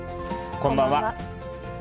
こんばんは。